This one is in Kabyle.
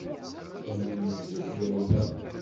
Sami yeggez Layla.